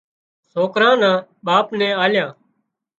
سوڪرا نا ٻاپ نين آليا